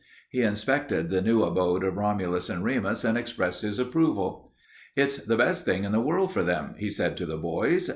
He inspected the new abode of Romulus and Remus and expressed his approval. "It's the best thing in the world for them," he said to the boys.